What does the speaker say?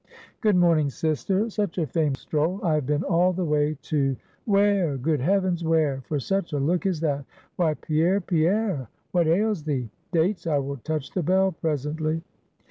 'Good morning, sister; Such a famous stroll! I have been all the way to ' 'Where? good heavens! where? for such a look as that! why, Pierre, Pierre? what ails thee? Dates, I will touch the bell presently.'